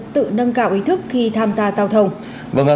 tự nâng cao ý thức khi tham gia giao thông